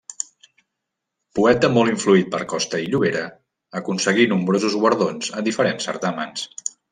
Poeta molt influït per Costa i Llobera, aconseguí nombrosos guardons a diferents certàmens.